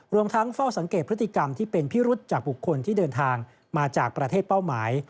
รวมทั้งเฝ้าสังเกตพฤติกรรมที่เป็นพิรุษจากบุคคลที่เดินทางมาจากประเทศเป้าหมาย